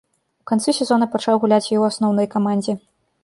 У канцы сезона пачаў гуляць і ў асноўнай камандзе.